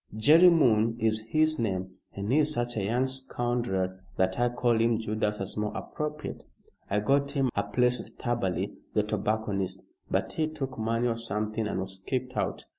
Jerry Moon is his name but he's such a young scoundrel that I call him Judas as more appropriate. I got him a place with Taberley, the tobacconist, but he took money or something and was kicked out.